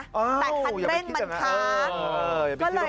แต่คันเร่งมันช้า